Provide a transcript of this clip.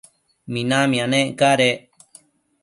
minamia nec cadec